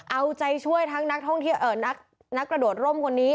เอาใจช่วยทั้งนักกระโดดร่มคนนี้